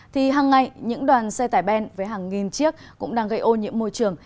thì hằng ngày những đoàn xe tải ben với hàng nghìn chiếc cũng đang gây ô nhiễm môi trường